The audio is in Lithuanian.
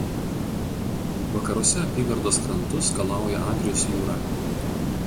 Vakaruose apygardos krantus skalauja Adrijos jūra.